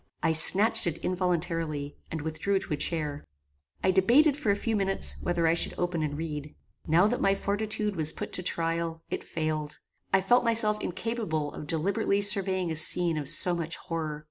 I snatched it involuntarily, and withdrew to a chair. I debated, for a few minutes, whether I should open and read. Now that my fortitude was put to trial, it failed. I felt myself incapable of deliberately surveying a scene of so much horror.